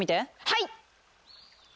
はい！